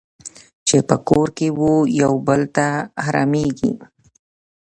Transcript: چې په کور کې وو یو بل ته حرامېږي.